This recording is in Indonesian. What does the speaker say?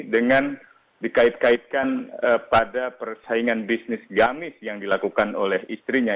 dengan dikait kaitkan pada persaingan bisnis gamis yang dilakukan oleh istrinya